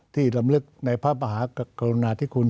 ลำลึกในพระมหากรุณาธิคุณ